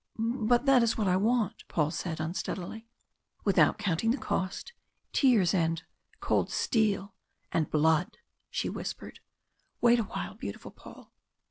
"But that is what I want!" Paul said, unsteadily. "Without counting the cost? Tears and cold steel and blood!" she whispered. "Wait a while, beautiful Paul!"